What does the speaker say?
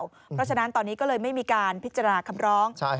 เพราะฉะนั้นตอนนี้ก็เลยไม่มีการพิจารณาคำร้อง